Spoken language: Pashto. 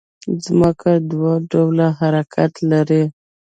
ځمکه دوه ډوله حرکت لري